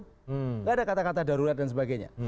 tidak ada kata kata darurat dan sebagainya